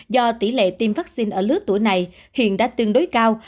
do tỷ lệ tiêm vaccine ở lứa tuổi này hiện đã tương đối cao